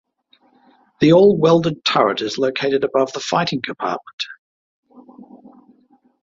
The all-welded turret is located above the fighting compartment.